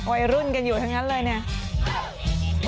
วัยรุ่นกันอยู่ทั้งนั้นเลยเนี่ย